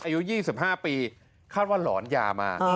อายุ๒๕ปีคาดว่าหลอนยามา